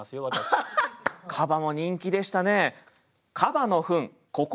河馬も人気でしたね。